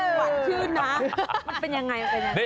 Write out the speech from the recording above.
หวังขึ้นนะมันเป็นยังไง